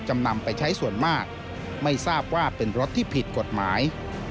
ไม่ทราบว่าเป็นรถที่ผิดกฎหมาย